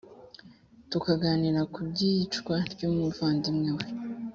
tukaganira ku by'iyicwa rw'umuvandimwe we.